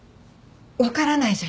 分からないじゃない。